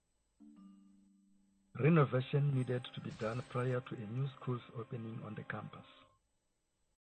Renovation needed to be done prior to a new school's opening on the campus.